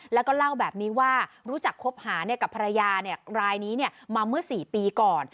แล้วก็เล่าแบบนี้ว่ารู้จักคบหากับภรรยารายนี้มาเมื่อ๔ปีก่อน